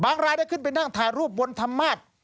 รายได้ขึ้นไปนั่งถ่ายรูปบนธรรมาศ